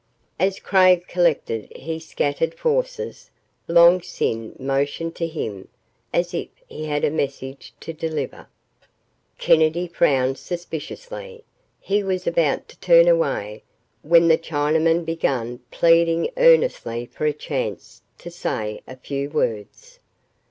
As Craig collected his scattered forces, Long Sin motioned to him, as if he had a message to deliver. Kennedy frowned suspiciously. He was about to turn away, when the Chinaman began pleading earnestly for a chance to say a few words.